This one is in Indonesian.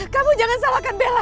kamu jangan salahkan bella